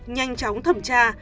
nhanh chóng thẩm tra